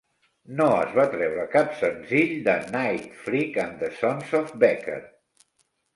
No es va treure cap senzill de "Nightfreak and the Sons of Becker".